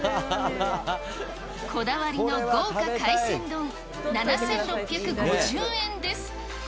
こだわりの豪華海鮮丼７６５０円です。